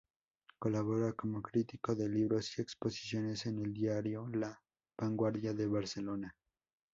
Colabora como crítico de libros y exposiciones en el diario La Vanguardia de Barcelona.